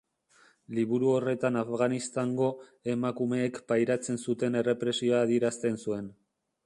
Liburu horretan Afganistango emakumeek pairatzen zuten errepresioa adierazten zuen.